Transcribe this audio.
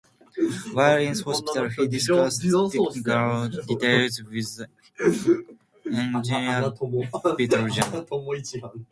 While in hospital, he discussed technical details with the engineer Vittorio Jano.